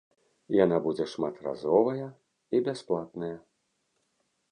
Яна будзе шматразовая і бясплатная.